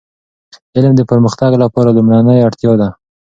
علم د پرمختګ لپاره لومړنی اړتیا ده.